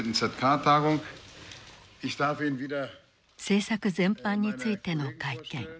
政策全般についての会見。